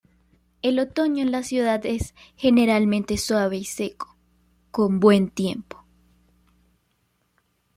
El otoño en la ciudad es generalmente suave y seco, con buen tiempo.